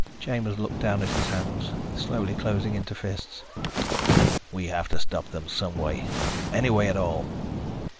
Chambers looked down at his hands, slowly closing into fists. "We have to stop them some way, any way at all.